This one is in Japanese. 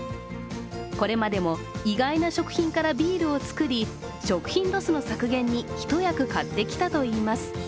これまでも意外な食品からビールを作り、食品ロスの削減に一役買ってきたといいます。